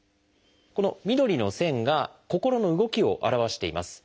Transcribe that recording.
この緑の線が心の動きを表しています。